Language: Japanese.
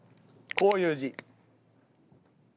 こういう字。